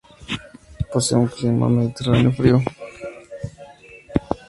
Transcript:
Posee un clima mediterráneo frío.